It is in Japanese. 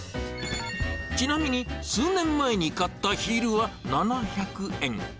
ちなみに数年前に買ったヒールは７００円。